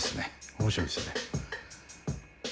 面白いですよね。